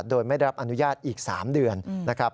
โดยไม่ได้รับอนุญาตอีก๓เดือนนะครับ